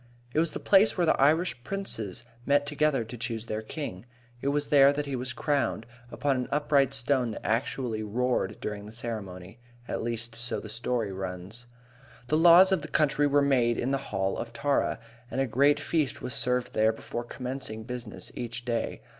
It was the place where the Irish princes met together to choose their king. It was there that he was crowned, upon an upright stone that actually roared during the ceremony. At least, so the story runs. The laws of the country were made in the Hall of Tara, and a great feast was served there before commencing business each day.